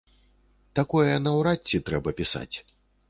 Такое наўрад ці трэба пісаць.